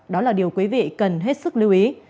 đó là điều quý vị cần hết sức lưu ý